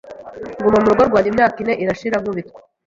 nguma mu rugo rwanjye imyaka ine irashira nkubitwa